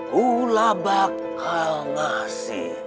kulabak hal masih